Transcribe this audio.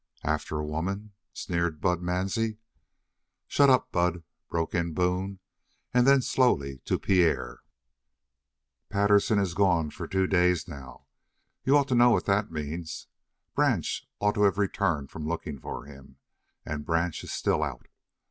"After a woman?" sneered Bud Mansie. "Shut up, Bud," broke in Boone, and then slowly to Pierre: "Patterson is gone for two days now. You ought to know what that means. Branch ought to have returned from looking for him, and Branch is still out.